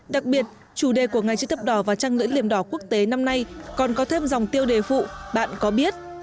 đặc biệt chủ đề của ngày chữ thập đỏ và trăng lưỡi liềm đỏ quốc tế năm nay còn có thêm dòng tiêu đề phụ bạn có biết